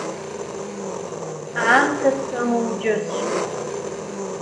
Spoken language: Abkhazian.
Аамҭа сымоу џьысшьоит.